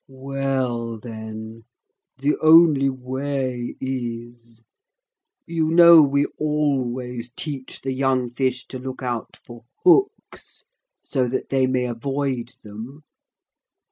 'Well then, the only way is ... you know we always teach the young fish to look out for hooks so that they may avoid them.